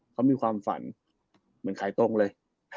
เขามีความฝันเหมือนขายตรงเลย